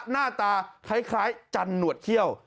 หน้าตาคล้ายจันหนวดเขี้ยว